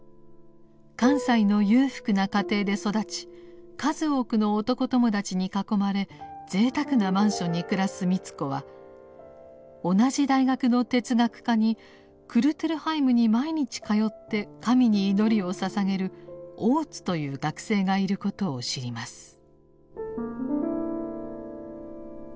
関西の裕福な家庭で育ち数多くの男友達に囲まれぜいたくなマンションに暮らす美津子は同じ大学の哲学科にクルトル・ハイムに毎日通って神に祈りをささげる「大津」という学生がいることを知ります。